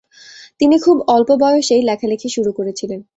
তিনি খুব অল্প বয়সেই লেখালেখি শুরু করেছিলেন।